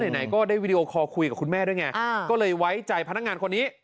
ไหนก็ได้วีดีโอคอลคุยกับคุณแม่ด้วยไงก็เลยไว้ใจพนักงานคนนี้